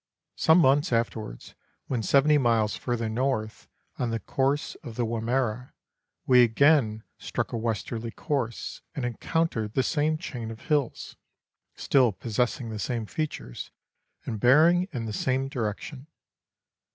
Some months afterwards, when 70 miles further north, on the course of the Wimmera, we again struck a westerly course, and encountered the same chain of hills, still possessing the same features, and bearing in the same direc tion.